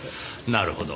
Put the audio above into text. なるほど。